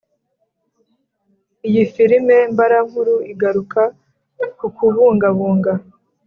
Iyi filime mbarankuru igaruka ku kubungabunga